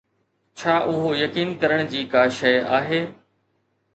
ڇا اهو يقين ڪرڻ جي ڪا شيء آهي؟